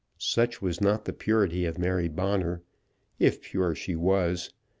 Such was not the purity of Mary Bonner, if pure she was.